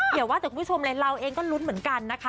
อย่าว่าแต่คุณผู้ชมเลยเราเองก็ลุ้นเหมือนกันนะคะ